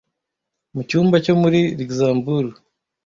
mu cyumba cyo muri luxembourg